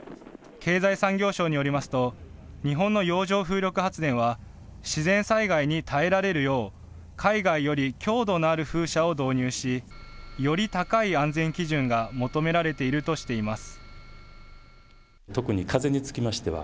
経済産業省によりますと、日本の洋上風力発電は自然災害に耐えられるよう、海外より強度のある風車を導入し、より高い安全基準が求められているとしています。